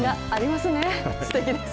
すてきです。